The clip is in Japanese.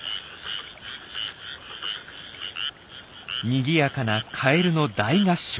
にぎやかなカエルの大合唱。